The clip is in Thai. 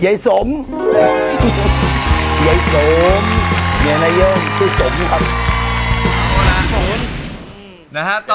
กิเลนพยองครับ